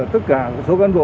tất cả số cán bộ